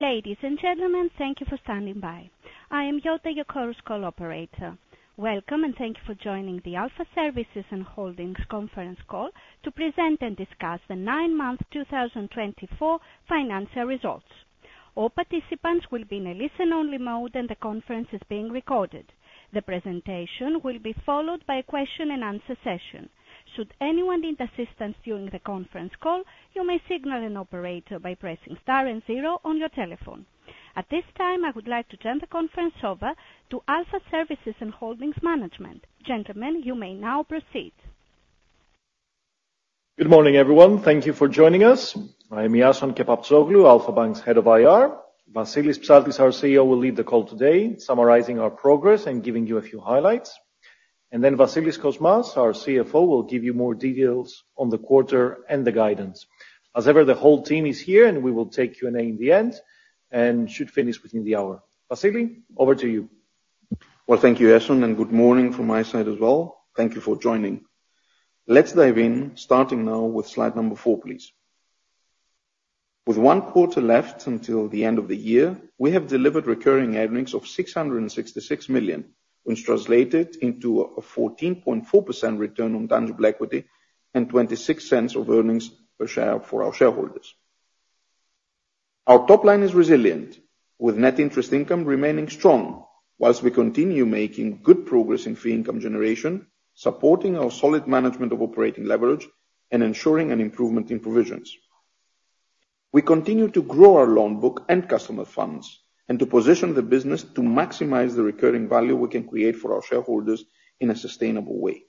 Ladies and gentlemen, thank you for standing by. I am Joanna, your conference call operator. Welcome and thank you for joining the Alpha Services and Holdings conference call to present and discuss the 9 month 2024 Financial Results. All participants will be in a listen-only mode and the conference is being recorded. The presentation will be followed by a question and answer session. Should anyone need assistance during the conference call, you may signal an operator by pressing star and zero on your telephone. At this time I would like to turn the conference over to Alpha Services and Holdings Management. Gentlemen, you may now proceed. Good morning everyone. Thank you for joining us. I'm Iason Kepaptsoglou, Alpha Bank's head of IR. Vasilis Psaltis, our CEO, will lead the call today summarizing our progress and giving you a few highlights. And then Vasilis Kosmas, our CFO, will give you more details on the quarter and the guidance. As ever, the whole team is here, and we will take Q&A in the end and should finish within the hour. Vasilis, over to you. Well, thank you Iason and good morning from my side as well. Thank you for joining. Let's dive in starting now with slide number 4 please. With one quarter left until the end of the year, we have delivered recurring earnings of 666 million which translated into a 14.4% return on tangible equity and 0.26 of earnings per share for our shareholders. Our top line is resilient with net interest income remaining strong. While we continue making good progress in fee income generation, supporting our solid management of operating leverage and ensuring an improvement in provisions. We continue to grow our loan book and customer funds and to position the business to maximize the recurring value we can create for our shareholders and in a sustainable way.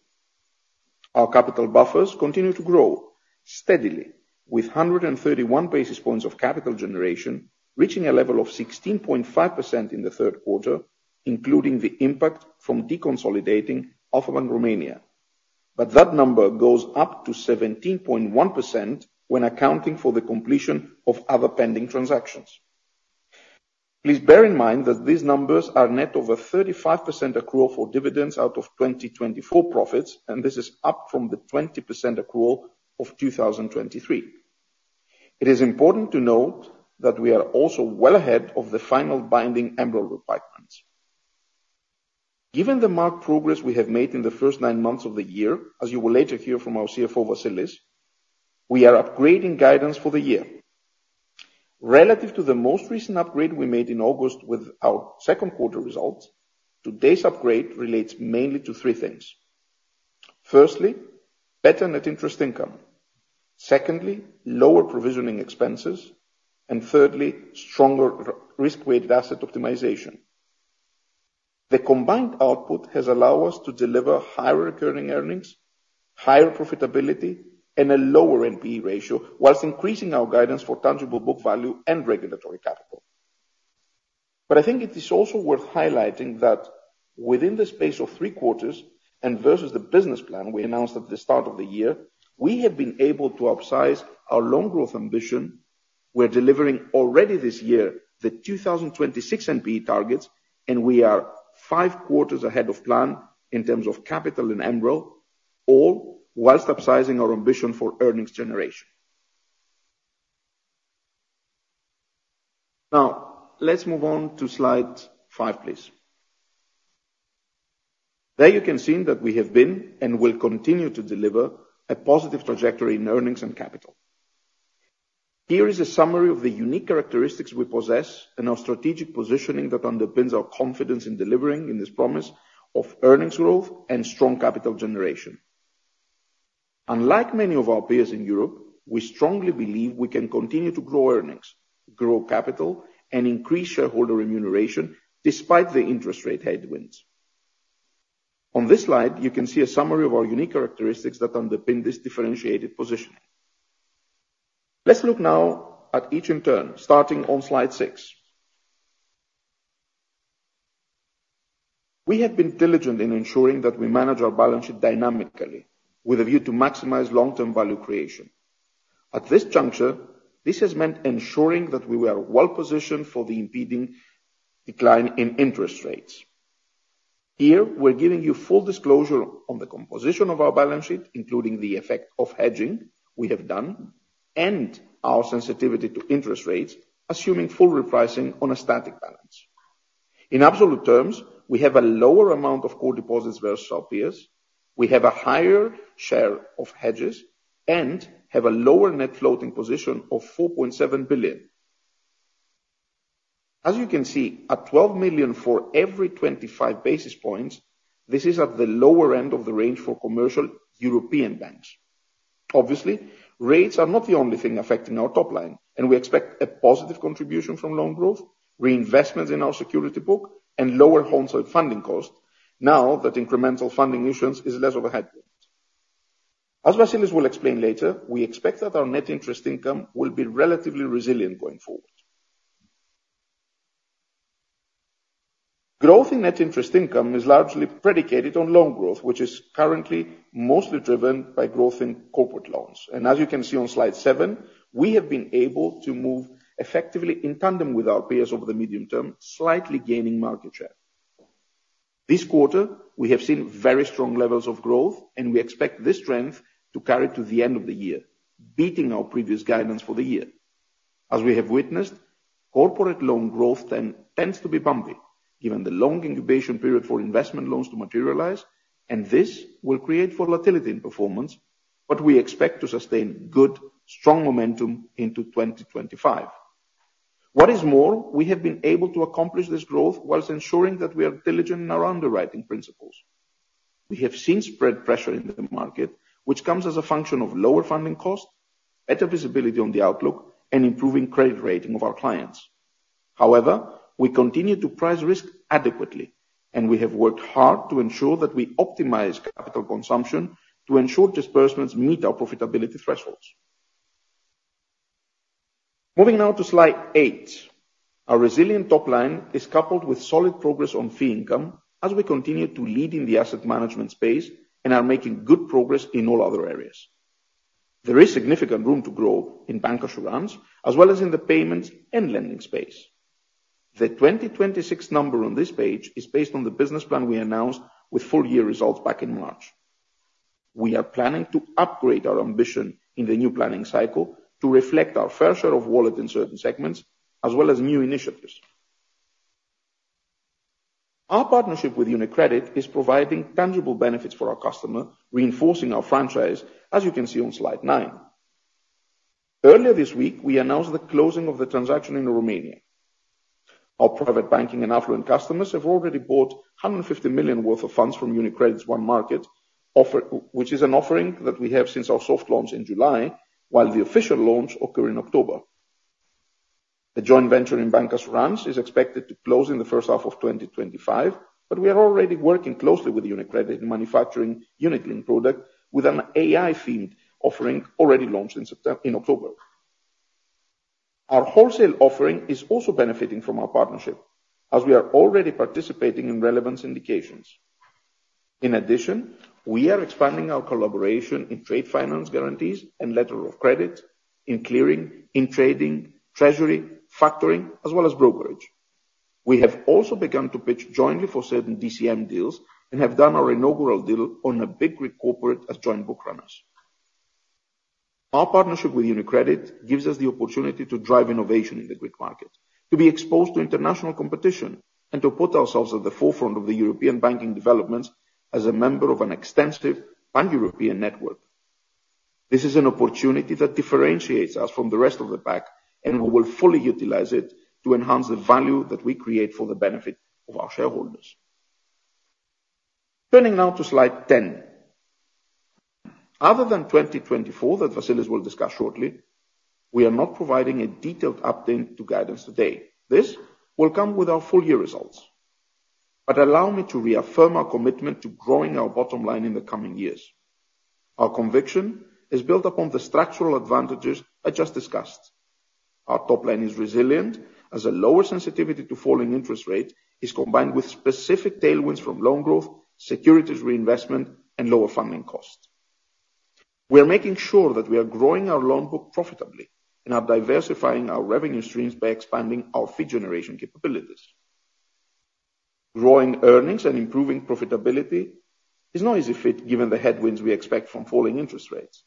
Our capital buffers continue to grow steadily with 131 basis points of capital generation reaching a level of 16.5% in the third quarter, including the impact from deconsolidating Alpha Bank Romania, but that number goes up to 17.1% when accounting for the completion of other pending transactions. Please bear in mind that these numbers are net of a 35% accrual for dividends out of 2024 profits and this up from the 20% accrual of 2023. It is important to note that we are also well ahead of the final binding MREL requirements given the marked progress we have made in the first nine months of the year. As you will later hear from our CFO Vasilis, we are upgrading guidance for the year relative to the most recent upgrade we made in August with our second quarter results. Today's upgrade relates mainly to three: firstly, better net interest income, secondly, lower provisioning expenses, and thirdly, stronger risk-weighted asset optimization. The combined output has allowed us to deliver higher recurring earnings, higher profitability, and a lower NPE ratio while increasing our guidance for tangible book value and regulatory capital. But I think it is also worth highlighting that within the space of Q3 and Q4 and versus the business plan we announced at the start of the year, we have been able to upsize our loan growth ambition. We are delivering already this year the 2026 NPE targets, and we are five quarters ahead of plan in terms of capital in MREL, all while sustaining our ambition for earnings generation. Now let's move on to slide five, please. There you can see that we have been and will continue to deliver a positive trajectory in earnings and capital. Here is a summary of the unique characteristics we possess and our strategic positioning that underpins our confidence in delivering in this promise of earnings growth and strong capital generation. Unlike many of our peers in Europe, we strongly believe we can continue to grow earnings, grow capital and increase shareholder remuneration despite the interest rate headwinds. On this slide you can see a summary of our unique characteristics that underpin this differentiated positioning. Let's look now at each in turn. Starting on slide six, we have been diligent in ensuring that we manage our balance sheet dynamically with a view to maximize long-term value creation. At this juncture this has meant ensuring that we were well positioned for the impending decline in interest rates. Here we're giving you full disclosure on the composition of our balance sheet, including the effect of hedging we have done and our sensitivity to interest rates. Assuming full repricing on a static balance in absolute terms we have a lower amount of core deposits versus past years. We have a higher share of hedges and have a lower net floating position of 4.7 billion as you can see at 12 million for every 25 basis points. This is at the lower end of the range for commercial European banks. Obviously rates are not the only thing affecting our top line and we expect a positive contribution from loan growth reinvestments in our securities book and lower cost of funding now that incremental funding issuance is less of a headwind. As Vasilis will explain later, we expect that our net interest income will be relatively resilient going forward. Growth in net interest income is largely predicated on loan growth, which is currently mostly driven by growth in corporate loans, and as you can see on slide seven. We have been able to move effectively in tandem with our peers over the medium term, slightly gaining market share. This quarter we have seen very strong levels of growth and we expect this strength to carry to the end of the year, beating our previous guidance for the year. As we have witnessed, corporate loan growth tends to be bumpy given the long incubation period for investment loans to materialize and this will create volatility in performance, but we expect to sustain good, strong momentum into 2025. What is more, we have been able to accomplish this growth while ensuring that we are diligent in our underwriting principles. We have seen spread pressure in the market which comes as a function of lower funding cost, better visibility on the outlook and improving credit rating of our clients. However, we continue to price risk adequately and we have worked hard to ensure that we optimize capital consumption and to ensure disbursements meet our profitability thresholds. Moving now to Slide 8, our resilient top line is coupled with solid progress on fee income as we continue to lead in the asset management space and are making good progress in all other areas. There is significant room to grow in bancassurance as well as in the payments and lending space. The 2026 number on this page is based on the business plan we announced with full year results back in March. We are planning to upgrade our ambition in the new planning cycle to reflect our fair share of wallet in certain segments as well as new initiatives. Our partnership with UniCredit is providing tangible benefits for our customer, reinforcing our franchise as you can see on slide 9. Earlier this week we announced the closing of the transaction in Romania. Our private banking and affluent customers have already bought 150 million worth of funds from UniCredit's onemarkets which is an offering that we have since our soft launch in July. While the official launch occurred in October, the joint venture in bancassurance is expected to close in the first half of 2025, but we are already working closely with UniCredit in manufacturing unit-linked product with an AI-themed offering already launched in October. Our wholesale offering is also benefiting from our partnership as we are already participating in relevance indications. In addition, we are expanding our collaboration in trade finance, guarantees and letters of credit, in clearing, in trading, treasury, factoring as well as brokerage. We have also begun to pitch jointly for certain DCM deals and have done our inaugural deal on a big Greek corporate as joint bookrunners. Our partnership with UniCredit gives us the opportunity to drive innovation in the Greek market to be exposed to international competition and to put ourselves at the forefront of the European banking developments as a member of an extensive Pan-European network. This is an opportunity that differentiates us from the rest of the pack and we will fully utilize it to enhance the value that we create for the benefit of our shareholders. Turning now to slide 10, other than 2024 that Vasilis will discuss shortly, we are not providing a detailed update to guidance today. This will come with our full-year results, but allow me to reaffirm our commitment to growing our bottom line in the coming years. Our conviction is built upon the structural advantages I just discussed. Our top line is resilient, has a lower sensitivity to falling interest rate, is combined with specific tailwinds from loan growth, securities reinvestment and lower funding costs. We are making sure that we are growing our loan book profitably and are diversifying our revenue streams by expanding our fee generation capabilities. Growing earnings and improving profitability is no easy feat given the headwinds we expect from falling interest rates,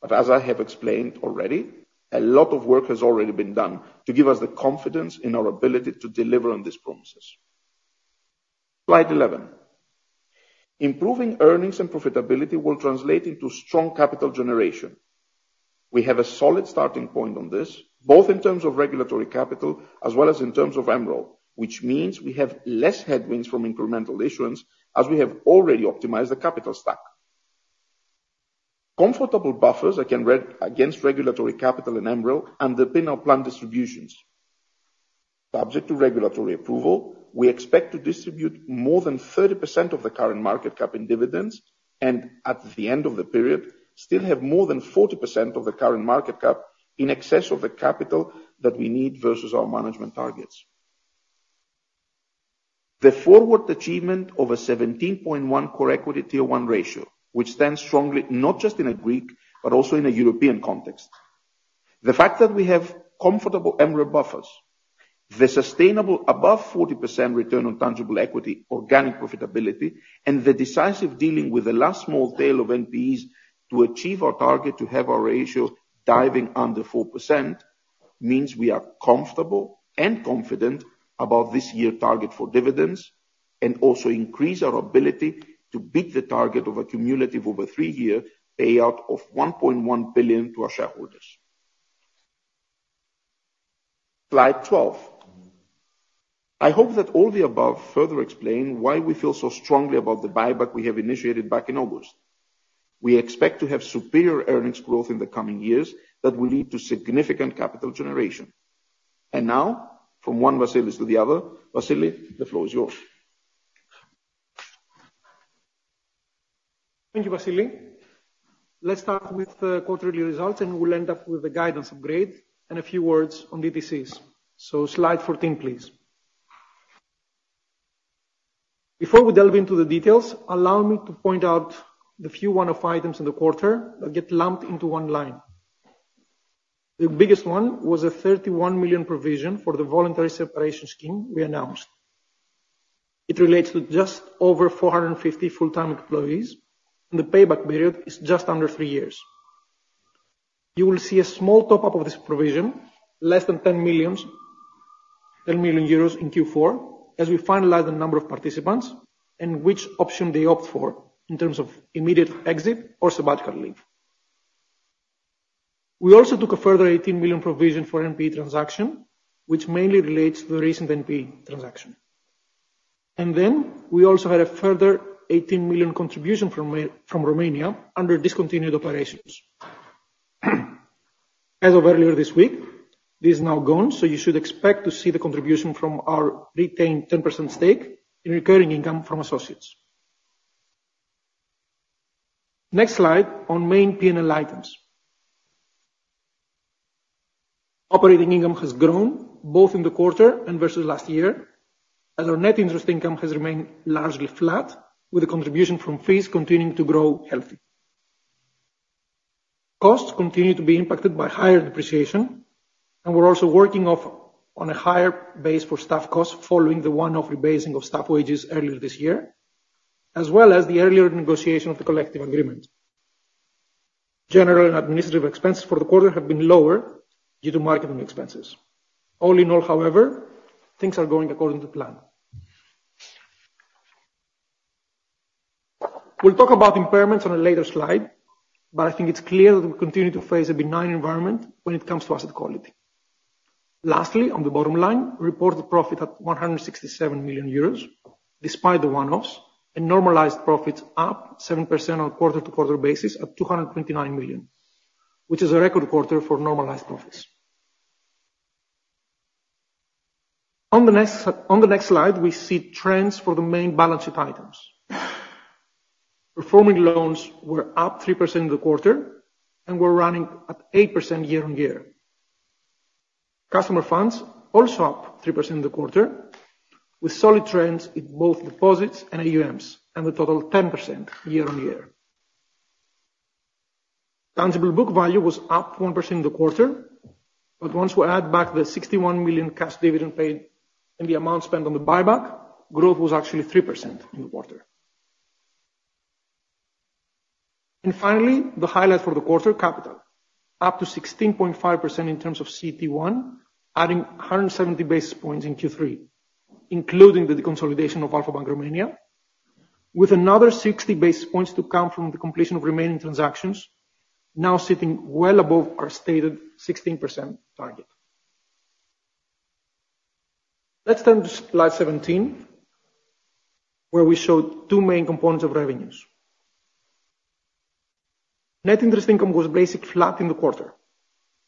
but as I have explained already, a lot of work has already been done to give us the confidence in our ability to deliver on this promise. Slide 11. Improving earnings and profitability will translate into strong capital generation. We have a solid starting point on this both in terms of regulatory capital as well as in terms of MREL, which means we have less headwinds from incremental issuance as we have already optimized the capital stack comfortable buffers against regulatory capital in MREL and the payout plan distributions subject to regulatory approval. We expect to distribute more than 30% of the current market cap in dividends and at the end of the period still have more than 40% of the current market cap in excess of the capital that we need versus our management targets. The forward achievement of a 17.1 Core Equity Tier 1 ratio which stands strongly not just in a Greek but also in a European context. The fact that we have comfortable MREL buffers, the sustainable above 40% return on tangible equity, organic profitability and the decisive dealing with the last small tail of NPEs to achieve our target. To have our ratio driving under 4% means we are comfortable and confident about this year's target for dividends and also increase our ability to beat the target of a cumulative over three-year payout of 1.1 billion to our shareholders. Slide 12. I hope that all the above further explain why we feel so strongly about the buyback we have initiated back in August. We expect to have superior earnings growth in the coming years that will lead to significant capital generation and now from one Vasilis to the other. Vasilis, the floor is yours. Thank you, Vasilis. Let's start with quarterly results and we'll end up with the guidance upgrade and a few words on DTCs, so slide 14 please. Before we delve into the details, allow me to point out a few one-off items in the quarter that get lumped into one line. The biggest one was a 31 million provision for the voluntary separation scheme we announced. It relates to just over 450 full-time employees and the payback period is just under three years. You will see a small top-up of this provision, less than 10 million euros, in Q4 as we finalize the number of participants and which option they opt for in terms of immediate exit or sabbatical leave. We also took a further 18 million provision for NPE transaction, which mainly relates to the recent NPE transaction. And then we also had a further 18 million contribution from Romania under discontinued operations as of earlier this week. This is now gone, so you should expect to see the contribution from our retained 10% stake in recurring income from associates. Next slide. On main P&L items. Operating Income has grown both in the quarter and versus last year as our net interest income has remained largely flat with the contribution from fees continuing to grow. Healthy costs continue to be impacted by higher depreciation and we're also working on a higher base for staff costs following the one-off rebasing of staff wages earlier this year as well as the earlier negotiation of the collective agreement. General and administrative expenses for the quarter have been lower due to marketing expenses. All in all, however, things are going according to plan. We'll talk about impairments on a later slide, but I think it's clear that we continue to face a benign environment when it comes to asset quality. Lastly on the bottom line, reported profit at 167 million euros despite the one-offs and normalized profits up 7% on a quarter-to-quarter basis at 229 million which is a record quarter for normalized profits. On the next slide we see trends for the main balance sheet items. Performing loans were up 3% in the quarter and were running at 8% year on year. Customer funds also up 3% in the quarter with solid trends in both deposits and AUMs and we totaled 10% year on year. Tangible book value was up 1% in the quarter, but once we add back the 61 million cash dividend paid and the amount spent on the buyback, growth was actually 3% in the quarter. And finally the highlights for the quarter capital up to 16.5% in terms of CET1, adding 170 basis points in Q3 including the deconsolidation of Alpha Bank Romania with another 60 basis points to come from the completion of remaining transactions, now sitting well above our stated 16% target. Let's turn to slide 17 where we show two main components of revenues. Net interest income was basically flat in the quarter.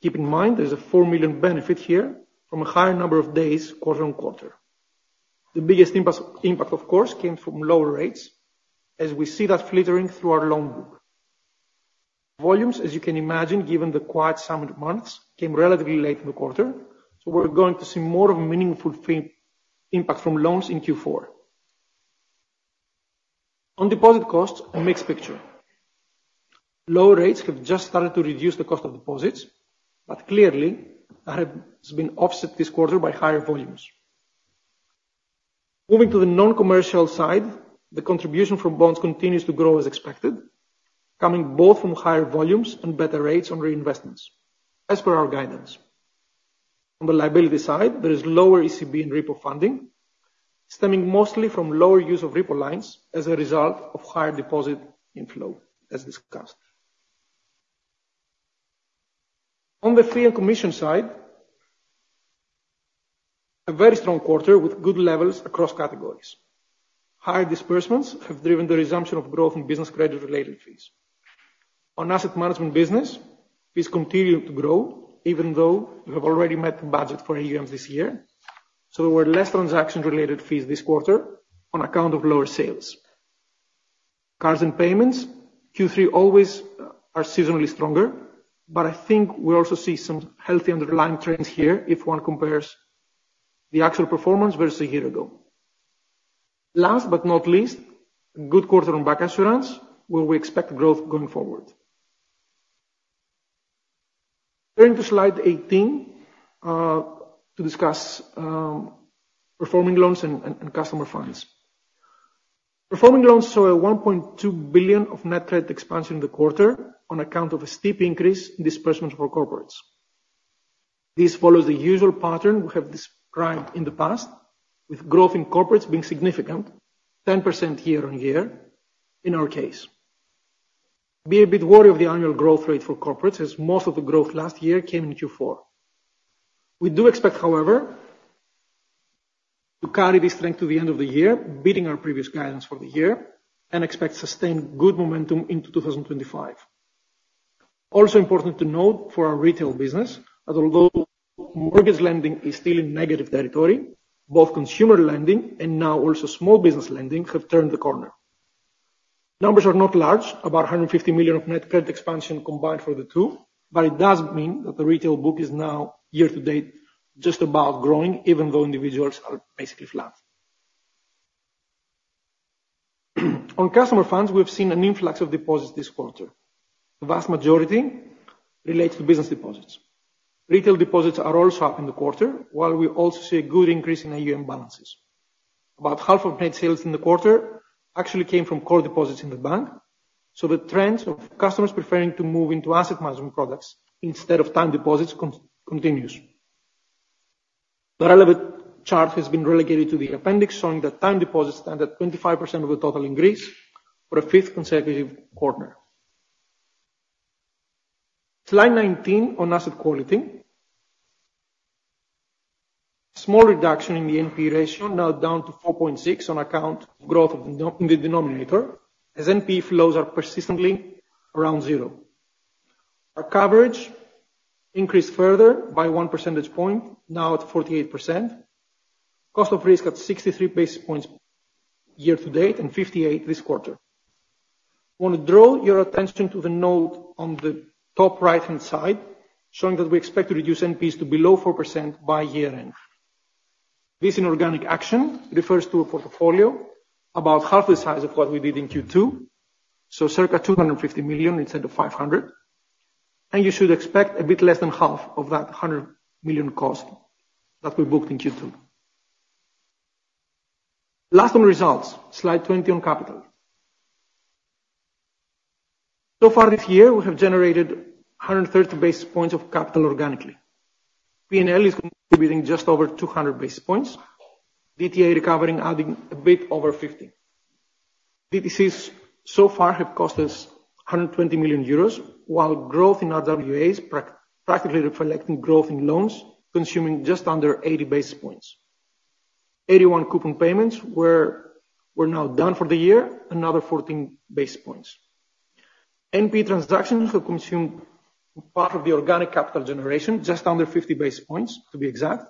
Keep in mind there's a 4 million benefit here from a higher number of days quarter on quarter. The biggest impact of course came from lower rates as we see that filtering through our loan book volumes. As you can imagine given the quiet summer months came relatively late in the quarter, so we're going to see more meaningful impact from loans in Q4 on deposit costs, a mixed picture. Lower rates have just started to reduce the cost of deposits, but clearly been offset this quarter by higher volumes. Moving to the non-commercial side, the contribution from bonds continues to grow as expected, coming both from higher volumes and better rates on reinvestments as per our guidance. On the liability side there is lower ECB and repo funding stemming mostly from lower use of repo lines as a result of higher deposit inflow. As discussed on the fee and commission side, a very strong quarter with good levels across categories. Higher disbursements have driven the resumption of growth in business credit-related fees. On asset management business fees continue to grow even though we have already met the budget for AUMs this year, so there were less transaction-related fees this quarter on account of lower sales, cards and payments. Q3 always are seasonally stronger, but I think we also see some healthy underlying trends here if one compares the actual performance versus a year ago. Last but not least, good quarter on bancassurance where we expect growth going forward. Turning to slide 18 to discuss performing loans and customer funds. Performing loans saw a 1.2 billion of net credit expansion in the quarter on account of a steep increase in disbursement for corporates. This follows the usual pattern we have described in the past with growth in corporates being significant 10% year on year. In our case be a bit wary of the annual growth rate for corporates as most of the growth last year came in Q4. We do expect however to carry this strength to the end of the year, beating our previous guidance for the year and expect sustained good momentum into 2025. Also important to note for our retail business that although mortgage lending is still in negative territory, both consumer lending and now also small business lending have turned the corner. Numbers are not large, about 150 million of net credit expansion combined for the two. But it does mean that the retail book is now year to date just about growing. Even though individuals are basically flat on customer funds, we've seen an influx of deposits this quarter. The vast majority relates to business deposits. Retail deposits are also up in the quarter, while we also see a good increase in AUM balances. About half of net sales in the quarter actually came from core deposits in the bank, so the trends of customers preferring to move into asset management products instead of time deposits continues. The relevant chart has been relegated to the appendix showing that time deposits stand at 25% of the total in Greece for a fifth consecutive quarter. Slide 19 on asset quality. Small reduction in the NPE ratio. Now down to 4.6 on account of growth in the denominator as NPE flows are persistently around zero. Our coverage increased further by one percentage point now at 48%. Cost of risk at 63 basis points year to date and 58 this quarter. I want to draw your attention to the note on the top right-hand side showing that we expect to reduce NPEs to below 4% by year-end. This inorganic action refers to a portfolio about half the size of what we did in Q2, so circa 250 million instead of 500. You should expect a bit less than half of that 100 million cost that we booked in Q2. Lastly, on results slide 20 on capital, so far this year we have generated 130 basis points of capital organically. P and L is contributing just over 200 basis points. DTA recovery adding a bit over 50 DTCs so far have cost us 120 million euros while growth in RWAs practically reflecting growth in loans consuming just under 80 basis points. AT1 coupon payments were now done for the year, another 14 basis points. NPE transactions have consumed part of the organic capital generation, just under 50 basis points to be exact.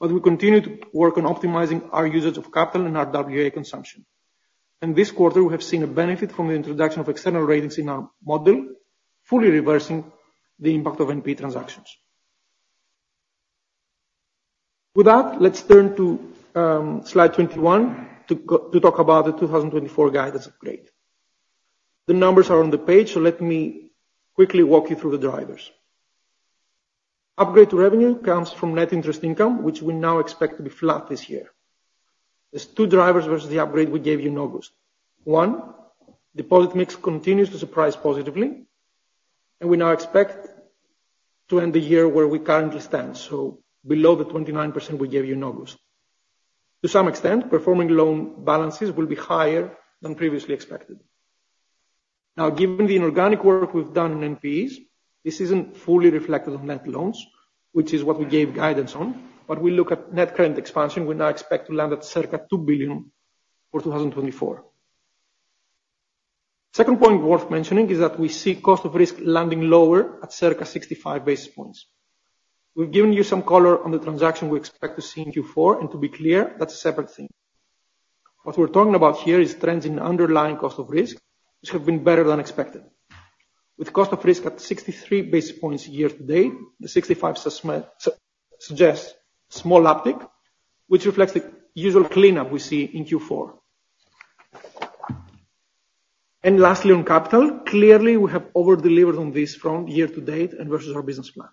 But we continue to work on optimizing our usage of capital and RWA consumption and this quarter we have seen a benefit from the introduction of external ratings in our model, fully reversing the impact of NPE transactions. With that, let's turn to slide 21 to talk about the 2024 guidance upgrade. The numbers are on the page, so let me quickly walk you through the drivers. Upgrade to revenue comes from net interest income, which we now expect to be flat this year. There's two drivers versus the upgrade we gave you. In one, deposit mix continues to surprise positively, and we now expect to end the year where we currently stand, so below the 29% we gave you in August. To some extent, performing loan balances will be higher than previously expected. Now, given the inorganic work we've done in NPEs, this isn't fully reflected on net loans, which is what we gave guidance on, but we look at net credit expansion, we now expect to land at circa 2 billion for 2024. Second point worth mentioning is that we see cost of risk landing lower at circa 65 basis points. We've given you some color on the transaction we expect to see in Q4 and to be clear that's a separate theme. What we're talking about here is trends in underlying cost of risk which have been better than expected. With cost of risk at 63 basis points year to date, the 65 suggests small uptick which reflects the usual cleanup we see in Q4. And lastly on capital, clearly we have over delivered on this front year to date and versus our business plan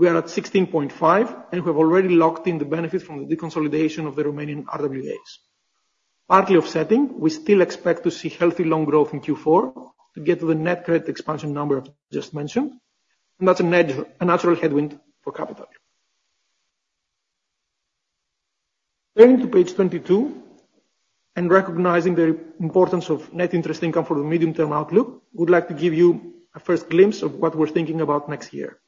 we are at 16.5 and we have already locked in the benefit from the deconsolidation of the remaining RWAs partly offsetting. We still expect to see healthy loan growth in Q4 to get to the net credit expansion number I just mentioned, and that's a natural headwind for capital yield. Turning to page 22 and recognizing the importance of net interest income for the medium-term outlook, we would like to give you a first glimpse of what we're thinking about next year.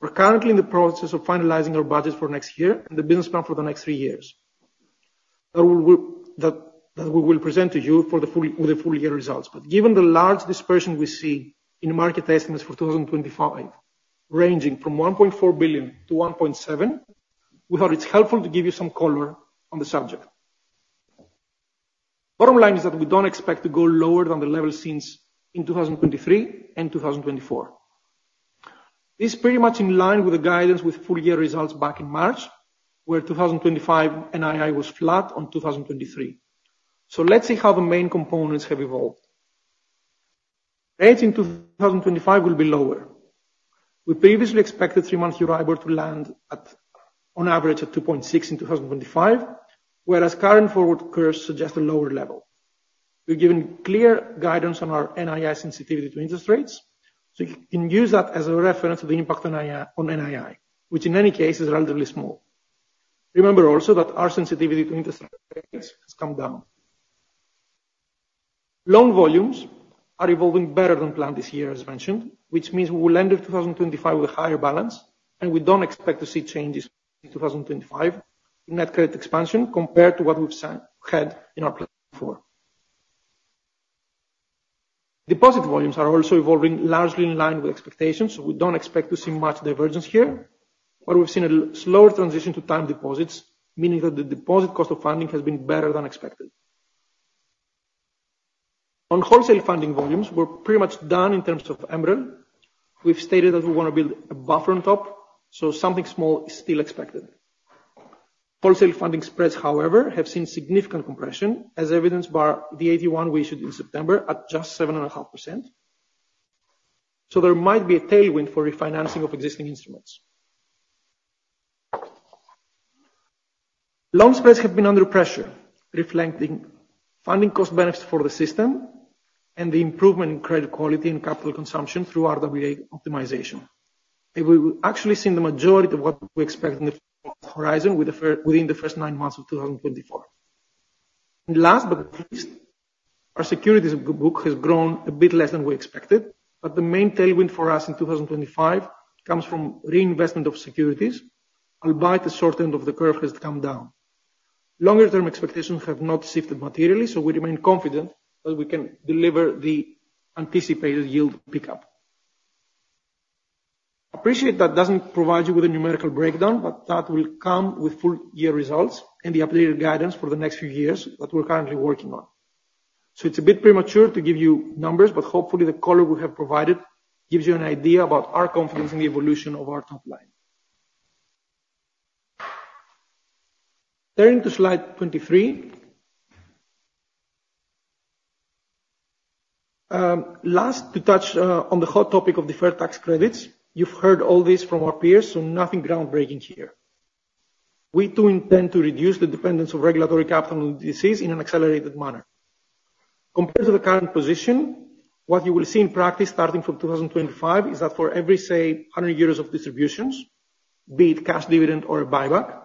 We're currently in the process of finalizing our budget for next year and the business plan for the next three years that we will present to you with the full year results. But given the large dispersion we see in market estimates for 2025 ranging from 1.4 billion to 1.7 billion, we thought it's helpful to give you some color on the subject. Bottom line is that we don't expect to go lower than the level seen in 2023 and 2024. This is pretty much in line with the guidance with full year results back in March where 2025 NII was flat on 2023. So let's see how the main components have evolved. Rates in 2025 will be lower. We previously expected 3-month Euribor to land at on average at 2.6 in 2025, whereas current forward curves suggest a lower level. We've given clear guidance on our NII sensitivity to interest rates, so you can use that as a reference to the impact on NII which in any case is relatively small. Remember also that our sensitivity to interest rates has come down. Loan volumes are evolving better than planned this year. As mentioned which means we will enter 2025 with a higher balance and we don't expect to see changes in 2025 in net credit expansion compared to what we've had in our plan before. Deposit volumes are also evolving largely in line with expectations. We don't expect to see much divergence here where we've seen a slower transition to time deposits, meaning that the deposit cost of funding has been better than expected. On wholesale funding volumes, we're pretty much done in terms of MREL. We've stated that we want to build a buffer on top, so something small is still expected. Wholesale funding spreads, however, have seen significant compression as evidenced by the AT1 we issued in September at just 7.5%, so there might be a tailwind for refinancing of existing instruments. Loan spreads have been under pressure, reflecting funding cost benefits for the system and the improvement in credit quality and capital consumption through RWA optimization. We've actually seen the majority of what we expect in the horizon within the first nine months of 2024. Last but not least, our securities book has grown a bit less than we expected, but the main tailwind for us in 2025 comes from reinvestment of securities. Albeit the short end of the curve has come down, longer term expectations have not shifted materially, so we remain confident that we can deliver the anticipated yield pickup. Appreciate that doesn't provide you with a numerical breakdown, but that will come with full year results and the updated guidance for the next few years that we're currently working on. So it's a bit premature to give you numbers, but hopefully the color we have provided gives you an idea about our confidence in the evolution of our top line. Turning to slide 23. Last to touch on the hot topic of deferred tax credits. You've heard all this from our peers, so nothing groundbreaking here. We too intend to reduce the dependence of regulatory capital on the DTCs in an accelerated manner compared to the current position. What you will see in practice starting from 2025 is that for every, say 100 euros of distributions, be it cash, dividend or a buyback,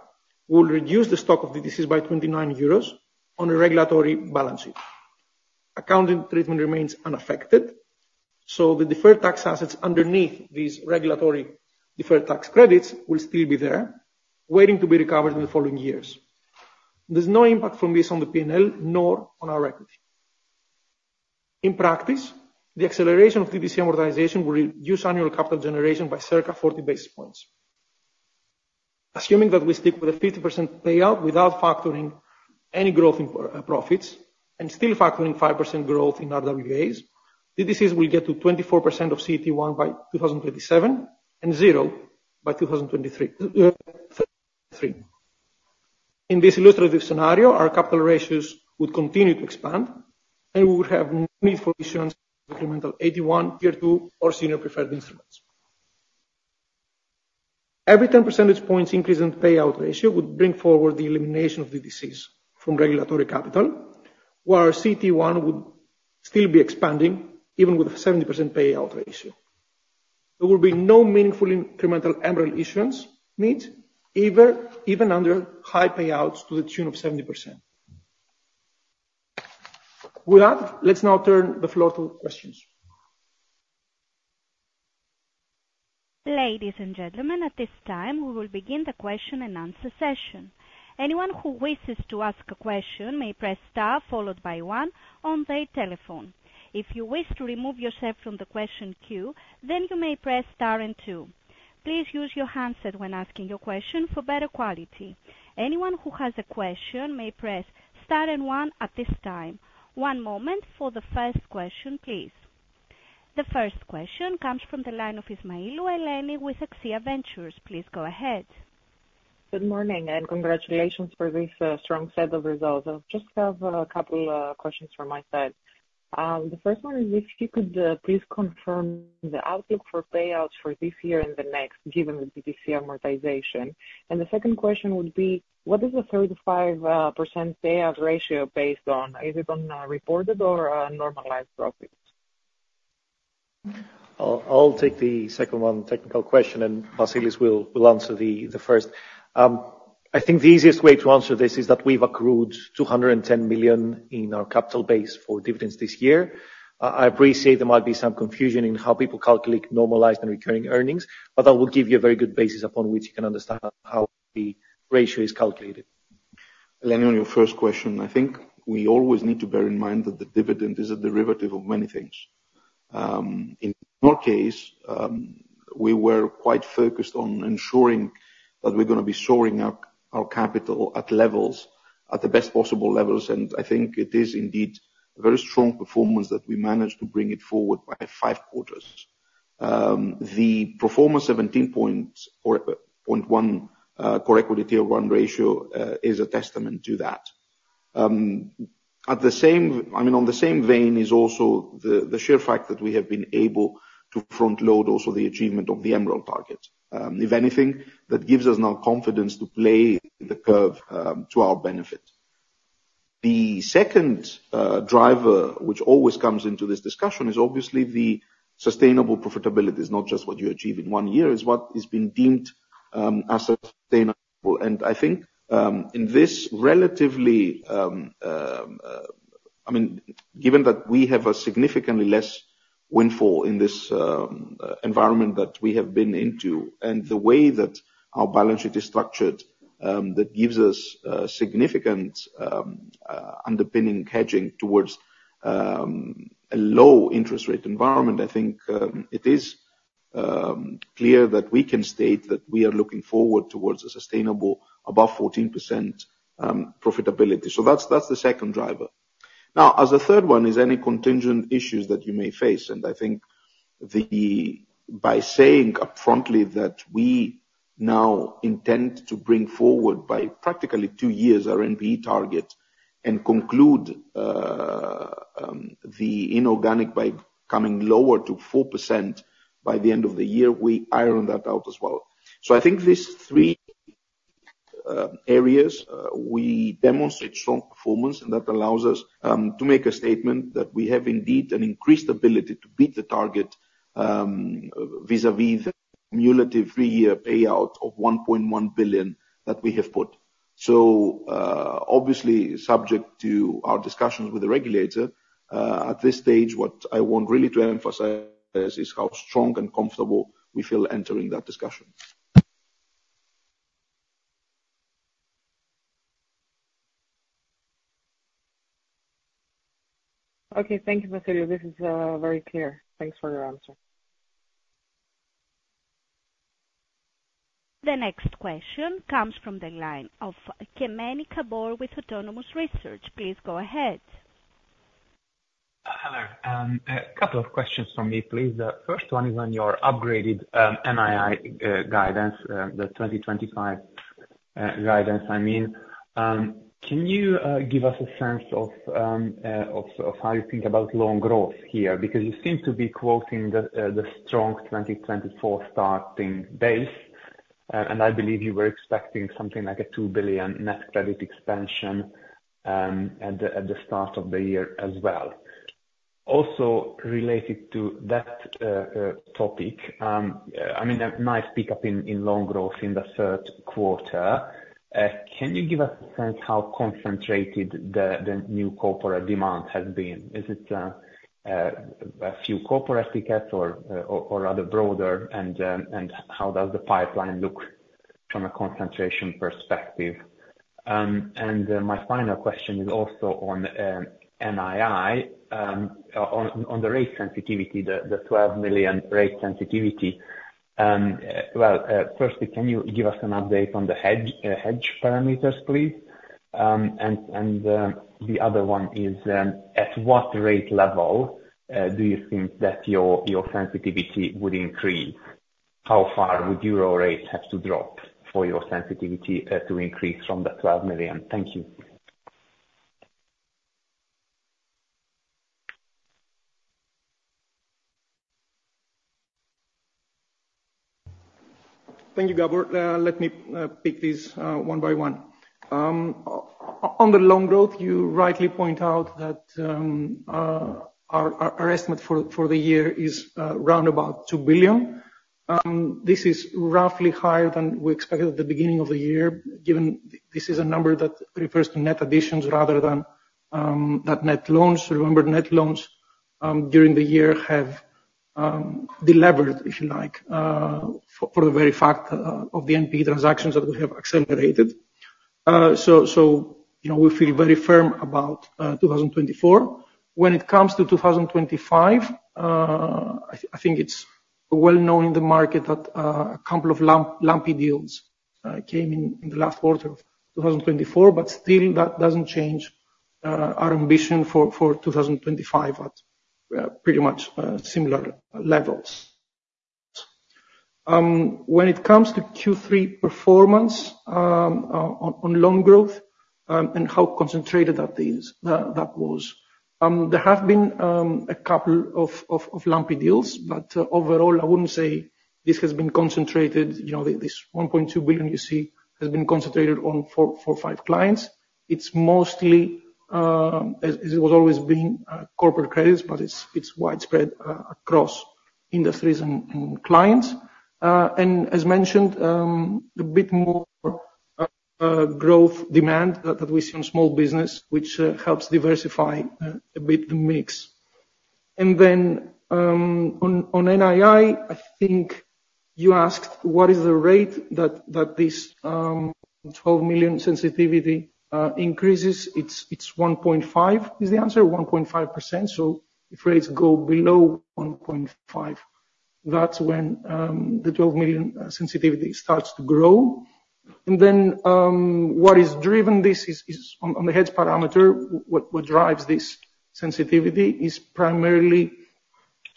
will reduce the stock of the DTCs by 29 euros on a regulatory balance sheet. Accounting treatment remains unaffected. So the deferred tax assets underneath these regulatory deferred tax credits will still be there waiting to be recovered in the following years. There's no impact from this on the P and L nor on our records. In practice, the acceleration of DTC amortization will reduce annual capital generation by circa 40 basis points, assuming that we stick with a 50% payout without factoring any growth in profits and still factoring 5% growth in RWAs. DTCs will get to 24% of CET1 by 2027 and 0% by 2033. In this illustrative scenario, our capital ratios would continue to expand and we would have need for issuance of incremental AT1, Tier 2 or senior preferred instruments. Every 10 percentage points increase in payout ratio would bring forward the elimination of the DTCs from regulatory capital where CET1 would still be expanding. Even with a 70% payout ratio, there will be no meaningful incremental MREL issuance need even under high payouts to the tune of 70%. With that, let's now turn the floor to questions. Ladies and gentlemen, at this time we will begin the question and answer session. Anyone who wishes to ask a question may press star followed by one on their telephone. If you wish to remove yourself from the question queue, then you may press star and two. Please use your handset when asking your question for better quality. Anyone who has a question may press star then 1 at this time. One moment for the first question, please. The first question comes from the line of Eleni Ismailou with Axia Ventures Group. Please go ahead. Good morning and congratulations for this strong set of results. I just have a couple questions from my side. The first one is if you could please confirm the outlook for payouts for this year and the next given the DTC amortization. And the second question would be what is the 35% payout ratio based on? Is it on reported or normalized profit? I'll take the second one technical question and Vasilis will answer the first. I think the easiest way to answer this is that we've accrued 210 million in our capital base for dividends this year. I appreciate there might be some confusion in how people calculate normalized and recurring earnings, but that will give you a very good basis upon which you can understand how the ratio is calculated. Eleni, on your first question, I think we always need to bear in mind that the dividend is a derivative of many things. In our case we were quite focused on ensuring that we're going to be storing our capital at levels at the best possible levels, and I think it is indeed very strong performance that we managed to bring it forward by Q1. The 17.1% CET1 ratio is a testament to that. At the same, I mean, in the same vein is also the sheer fact that we have been able to front load also the achievement of the MREL target. If anything that gives us now confidence to play the curve to our benefit. The second driver which always comes into this discussion is obviously the sustainable profitability. It's not just what you achieve in one year. It's what has been deemed as sustainable, and I think in this relatively. I mean, given that we have a significantly less windfall in this environment that we have been into, and the way that our balance sheet is structured, that gives us significant underpinning, hedging towards a low interest rate environment, I think it is clear that we can state that we are looking forward towards a sustainable above 14% profitability. So that's the second driver. Now as a third one is any contingent issues that you may face. And I think by saying upfront that we now intend to bring forward by practically two years our NPE target and conclude the inorganic by coming lower to 4% by the end of the year, we iron that out as well. So I think these three areas we demonstrate strong performance and that allows us to make a statement that we have indeed an increased ability to beat the target vis-à-vis the cumulative three-year payout of 1.1 billion that we have put so obviously subject to our discussions with the regulator at this stage. What I want really to emphasize is how strong and comfortable we feel entering that discussion. Okay, thank you. This is very clear. Thanks for your answer. The next question comes from the line of Gabor Kemeny with Autonomous Research. Please go ahead. Hello. A couple of questions for me please. The first one is on your upgraded NII guidance, the 2025 guidance. I mean, can you give us a sense of how you think about loan growth here? Because you seem to be quoting the strong 2024 starting base and I believe you were expecting something like a two billion net credit expansion at the start of the year as well. Also related to that topic, I mean a nice pickup in loan growth in the third quarter. Can you give us a sense how concentrated the new corporate demand has been? Is it a few corporate tickets or rather broader? And how does the pipeline look from a concentration perspective? And my final question is also on NII on the rate sensitivity, the 12 million rate sensitivity. Well, firstly, can you give us an update on the hedge parameters, please? And the other one is at what rate level do you think that your sensitivity would increase? How far would Euro rate have to drop for your sensitivity to increase from the 12 million? Thank you. Thank you, Gabor. Let me pick this one by one. On the loan growth. You rightly point out that our estimate for the year is round about 2 billion. This is roughly higher than we expected at the beginning of the year. Given this is a number that refers to net additions rather than net loans. Remember, net loans during the year have deleveraged if you like for the very fact of the NPE transactions that we have accelerated. So we feel very firm about 2024. When it comes to 2025, I think it's well known in the market that a couple of lumpy deals came in the last quarter of 2024. But still that doesn't change our ambition for 2025 at pretty much similar levels when it comes to Q3 performance on loan growth and how concentrated that was. There have been a couple of lumpy deals, but overall I wouldn't say this has been concentrated. You know, this 1.2 billion you see has been concentrated on four or five clients. It's mostly it was always been corporate credits, but it's widespread across industries and clients, and as mentioned, a bit more growth demand that we see on small business which helps diversify a bit the mix, and then on NII, I think you asked what is the rate that this 12 million sensitivity increases? It's 1.5% is the answer 1.5%. So if rates go below 1.5%, that's when the 12 million sensitivity starts to grow, and then what has driven this on the hedge parameter, what drives this sensitivity is primarily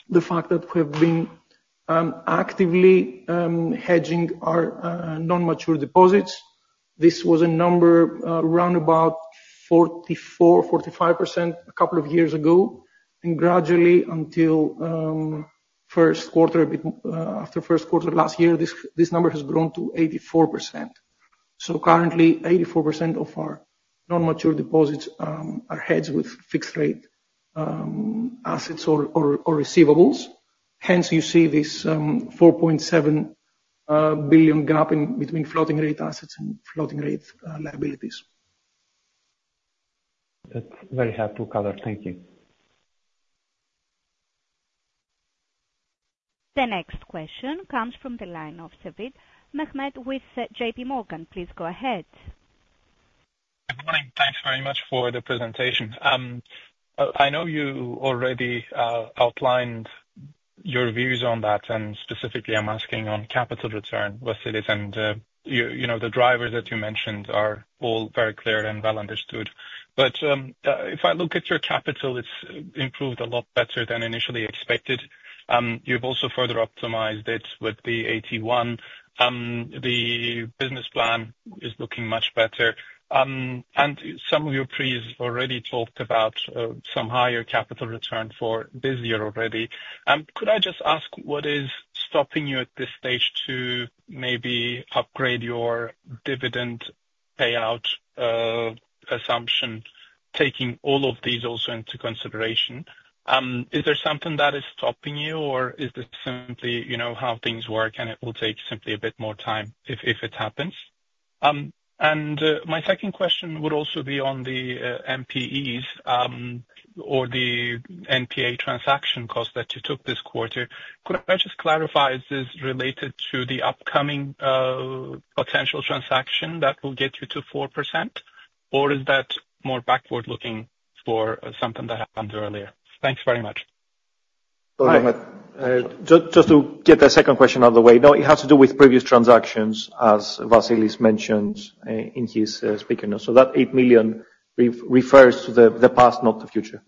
the fact that we have been actively hedging our non-mature deposits. This was a number round about 44%-45% a couple of years ago and gradually until first quarter. After first quarter of last year this number has grown to 84%. So currently 84% of our non mature deposits are hedged with fixed rates, assets or receivables. Hence you see this 4.7 billion gap between floating rate assets and floating rate liabilities. That's very helpful. Color. Thank you. The next question comes from the line of Mehmet Sevim with JPMorgan. Please go ahead. Good morning. Thanks very much for the presentation. I know you already outlined your views on that, and specifically I'm asking on capital return, was it? And you know the drivers that you mentioned are all very clear and well understood, but if I look at your capital, it's improved a lot better than initially expected. You've also further optimized it with the AT1. The business plan is looking much better, and some of the peers already talked about some higher capital return for this year already. Could I just ask what is stopping you at this stage to maybe upgrade your dividend payout assumption taking all of these also into consideration? Is there something that is stopping you or is this simply, you know, how things work and it will take simply a bit more time if it happens. My second question would also be on the NPEs or the NPA transaction cost that you took this quarter. Could I just clarify, is this related to the upcoming potential transaction that will get you to 4% or is that more backward looking for something that happened earlier? Thanks very much. Just to get the second question out of the way. No, it has to do with previous transactions as Vasilis mentioned in his speech. So that eight million refers to the past, not the future.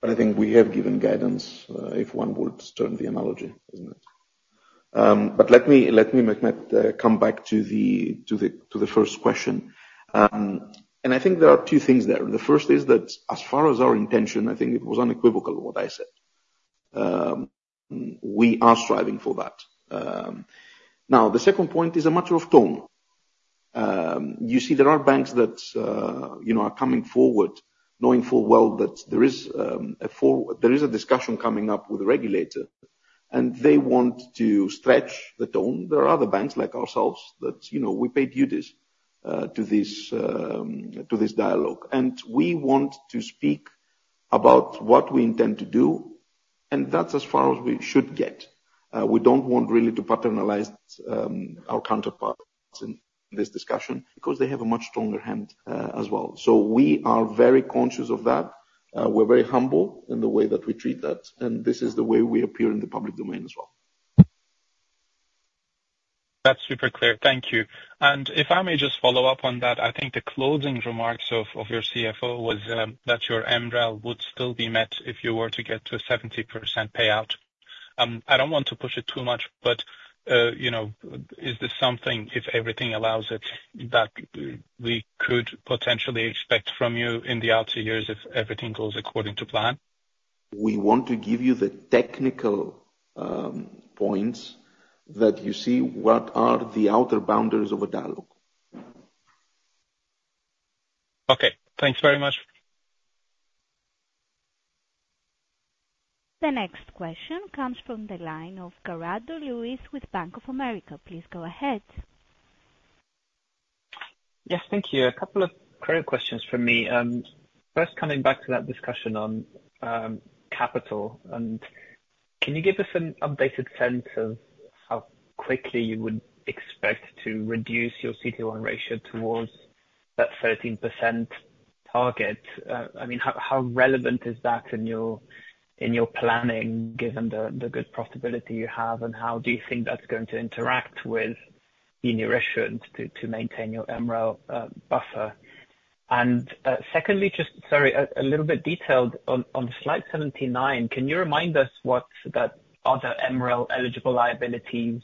But I think we have given guidance if one would turn the analogy, isn't it? But let me, Mehmet, come back to the first question and I think there are two things there. The first is that as far as our intention, I think it was unequivocal what I said. We are striving for that now. The second point is a matter of tone. You see, there are banks that are coming forward knowing full well that there is a discussion coming up with the regulator and they want to stretch the tone. There are other banks like ourselves that, you know, we pay duties to this dialogue and we want to speak about what we intend to do and that's as far as we should get. We don't want really to paternalize our counterparts in this discussion because they have a much stronger hand as well. So we are very conscious of that. We're very humble in the way that we treat that. And this is the way we appear in the public domain as well. That's super clear. Thank you. And if I may just follow up on that, I think the closing remarks of your CFO was that your MREL would still be met if you were to get to a 70% payout. I don't want to push it too much, but you know, is this something, if everything allows it, that we could potentially expect from you in the outer years if everything goes according to plan? We want to give you the technical points that you see. What are the outer boundaries of a dialogue? Okay, thanks very much. The next question comes from the line of Gareth Lewis with Bank of America. Please go ahead. Yes, thank you. A couple of quick questions for me. First, coming back to that discussion on capital and can you give us an updated sense of how quickly you would expect to reduce your CET1 ratio towards that 13% target? I mean, how relevant is that in your planning given the good profitability you have? And how do you think that's going to interact with the new issuance to maintain your MREL buffer? And secondly, just sorry, a little bit detailed on slide 29. Can you remind us what that other MREL eligible liabilities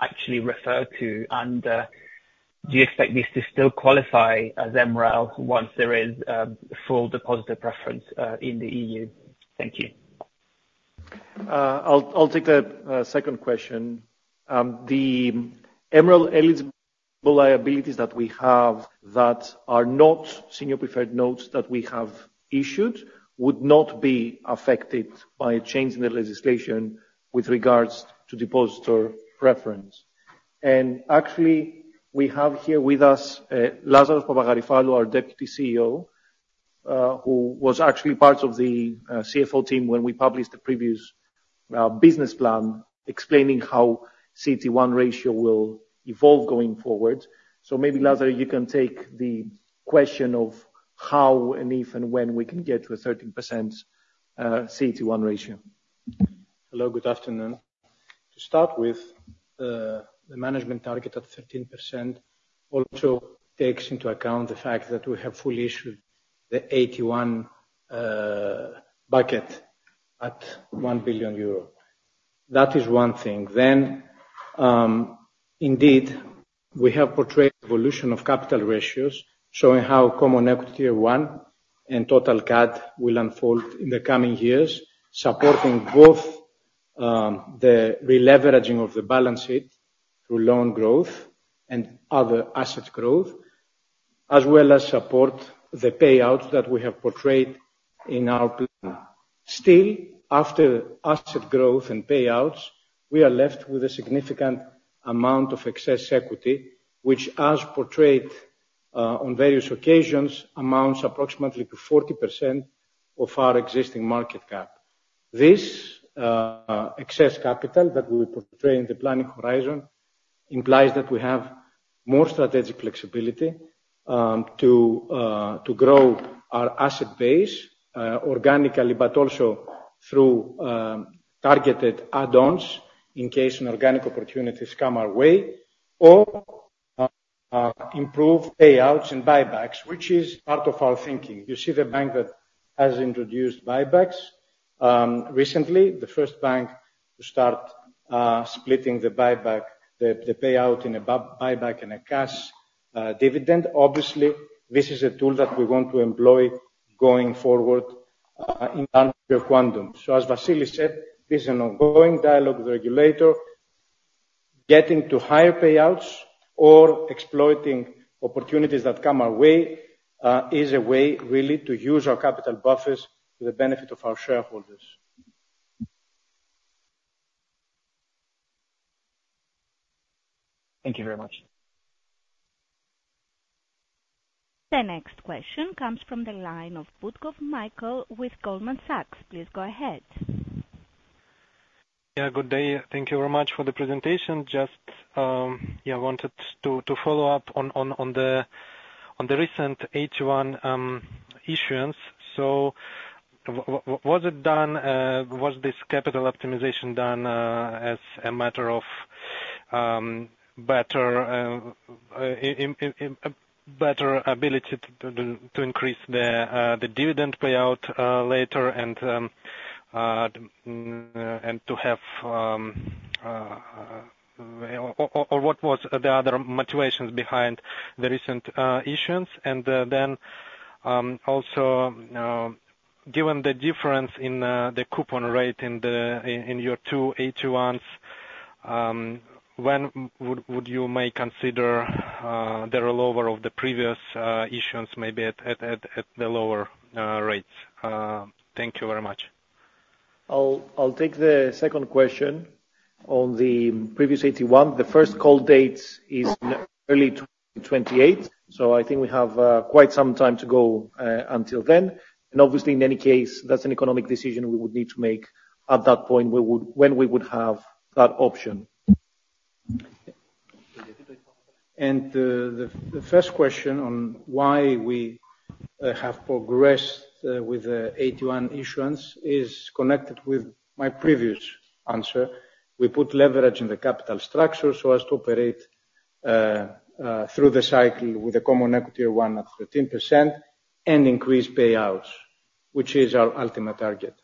actually refer to and do you expect this to still qualify as MREL once there is full depositor preference in the EU? Thank you. I'll take the second question. The MREL eligible liabilities that we have that are not senior preferred notes that we have issued would not be affected by a change in the legislation with regards to depositor preference, and actually we have here with us Lazaros Papagaryfallou, our Deputy CEO who was actually part of the CFO team when we published the previous business plan explaining how CET1 ratio will evolve going forward, so maybe Lazaros, you can take the question of how and if and when we can get to a 13% ratio, CET1 ratio. Hello, good afternoon. To start with, the management target at 13% also takes into account the fact that we have fully issued the AT1 bucket at 1 billion euro. That is one thing then. Indeed, we have portrayed evolution of capital ratios showing how CET1 and Total Capital will unfold in the coming years, supporting both the releveraging of the balance sheet through loan growth and other assets growth, as well as support the payouts that we have portrayed in our plan. Still, after asset growth and payouts, we are left with a significant amount of excess equity which as portrayed on various occasions, amounts approximately to 40% of our existing market cap. This excess capital that we portray in the planning horizon implies that we have more strategic flexibility to grow our asset base organically, but also through targeted add ons in case organic opportunities come our way or improve payouts and buybacks, which is part of our thinking. You see the bank that has introduced buybacks recently, the first bank to start splitting the buyback, the payout in a buyback and a cash dividend. Obviously this is a tool that we want to employ going forward in Quantum. So as Vasilis said, this is an ongoing dialogue with regulator. Getting to higher payouts or exploiting opportunities that come our way is a way really to use our capital buffers to the benefit of our shareholders. Thank you very much. The next question comes from the line of Mikhail Butkov with Goldman Sachs. Please go ahead. Yeah, good day. Thank you very much for the presentation. Just wanted to follow up on the recent AT1 issuance. So was it done? Was this capital optimization done? As a matter of fact, better ability to increase the dividend payout later and to have or what was the other motivations behind the recent issuance and then also given the difference in the coupon rate in your two AT1s, when would you may consider the rollover of the previous issuance? Maybe at the lower rates? Thank you very much. I'll take the second question on the previous 2021. The first call date is early 2028, so I think we have quite some time to go until then, and obviously in any case, that's an economic decision we would need to make at that point when we would have that option. The first question on why we have progressed with the AT1 issuance is connected with my previous answer. We put leverage in the capital structure so as to operate through the cycle with a Common Equity Tier 1 at 13% and increase payouts, which is our ultimate target.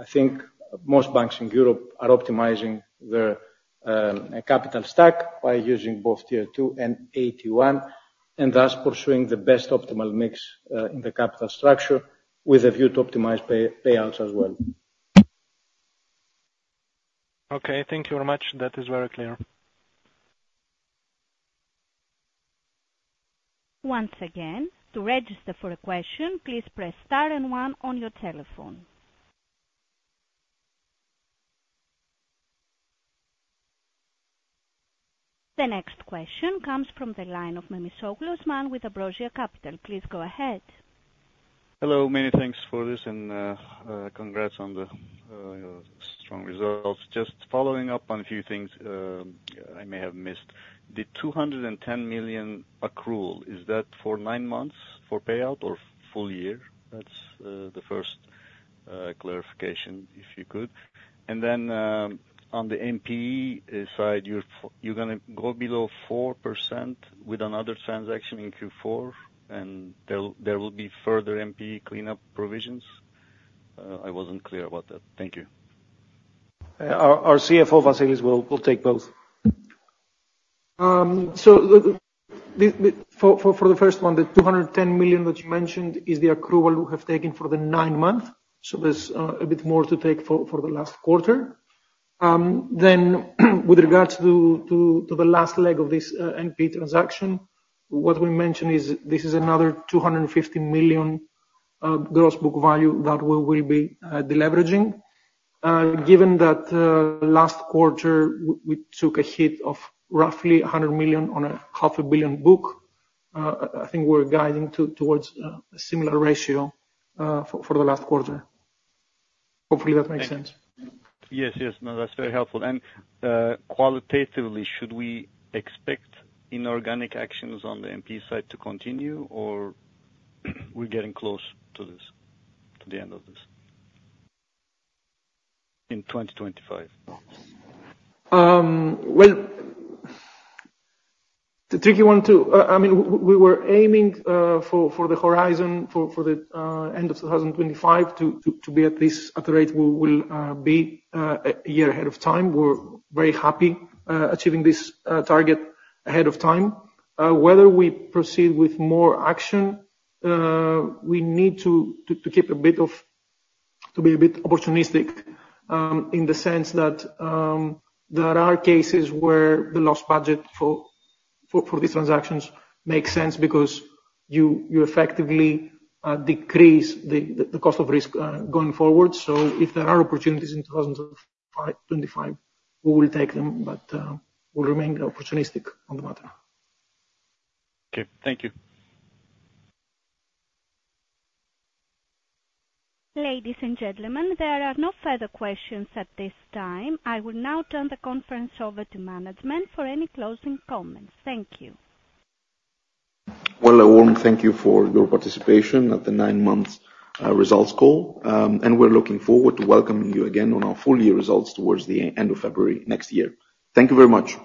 I think most banks in Europe are optimizing their capital stack by using both Tier 2 and AT1 and thus pursuing the best optimal mix in the capital structure with a view to optimize payouts as well. Okay, thank you very much. That is very clear. Once again, to register for a question, please press star and one on your telephone. The next question comes from the line of Osman Memisoglu with Ambrosia Capital. Please go ahead. Hello. Many thanks for this and congrats on the strong results. Just following up on a few things I may have missed. The 210 million accrual, is that for nine months for payout or full year? That's the first clarification, if you could. And then on the NPE side you're going to go below 4% with another transaction in Q4 and there will be further NPE cleanup provisions. I wasn't clear about that. Thank you. Our CFO Vasilis will take both. For the first one, the 210 million that you mentioned is the accrual we have taken for the nine month. So there's a bit more to take for the last quarter then. With regards to the last leg of this NP transaction, what we mentioned is this is another 250 million gross book value that we will be deleveraging. Given that last quarter we took a hit of roughly 100 million on a 500 million book. I think we're guiding towards a similar ratio for the last quarter. Hopefully that makes sense. Yes, yes, that's very helpful. And qualitatively, should we expect inorganic actions on the NP side to continue or we're getting close to this, to the end of this in 2025? It's a tricky one too. I mean, we were aiming for the horizon for the end of 2025 to be at this rate, we will be a year ahead of time. We're very happy achieving this target ahead of time. Whether we proceed with more action, we need to be a bit opportunistic in the sense that there are cases where the cost budget for these transactions makes sense because you effectively decrease the cost of risk going forward. So if there are opportunities in thousands of, we will take them, but we'll remain opportunistic on the matter. Okay. Thank you. Ladies and gentlemen. There are no further questions at this time. I will now turn the conference over to management for any closing comments. Thank you. I want to thank you for your participation at the 9 Months Results Call, and we're looking forward to welcoming you again on our full year results towards the end of February next year. Thank you very much.